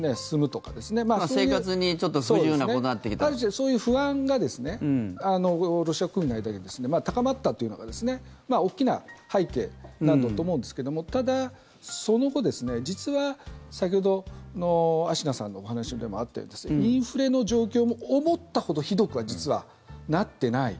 そういう不安がですねロシア国民の間で高まったというのが大きな背景だったと思うんですがただ、その後実は、先ほどのあしやさんのお話でもあったようにインフレの状況も思ったほどはひどくは実はなってない。